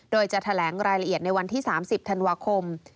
โดยจะแถลงรายละเอียดในวันที่๓๐ธันวาคม